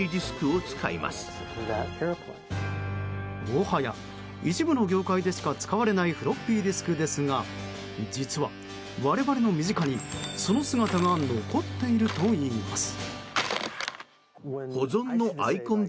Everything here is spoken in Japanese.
もはや一部の業界でしか使われないフロッピーディスクですが実は我々の身近にその姿が残っているといいます。